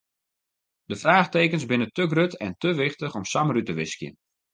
De fraachtekens binne te grut en te wichtich om samar út te wiskjen.